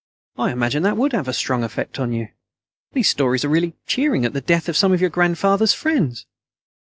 "I imagine that would have a strong effect on you. These stories are really cheering at the death of some of your grandfather's friends."